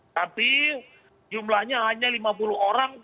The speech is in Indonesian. tapi jumlahnya hanya lima puluh orang